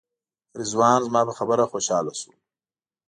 رضوان زما په خبره خوشاله شو.